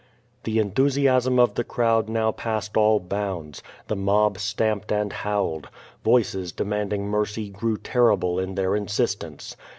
The enthusiasm of the crowd now passed all bounds. The mob stamped and howled. Voices demanding mercy grew terrible in their insistence.